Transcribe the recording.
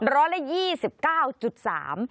ร้อยละ๒๙๓